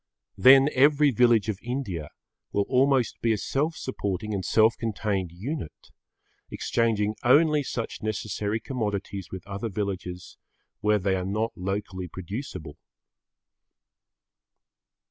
Then every village of India will almost be a self supporting and self contained unit, exchanging only such necessary commodities with other villages where they are not locally producible.